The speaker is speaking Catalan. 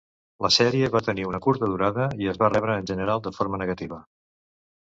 La sèrie va tenir una curta durada i es va rebre, en general, de forma negativa.